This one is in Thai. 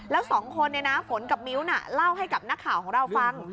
แล้วสองคนฝนกับมิ้วน่ะเล่าให้กับนักข่าวของเราฟัง